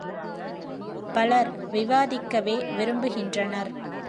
பலர் விவாதிக்கவே விரும்புகின்றனர்.